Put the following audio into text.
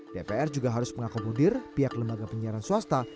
dpr juga harus mengakomodir pihak lembaga penyiaran swasta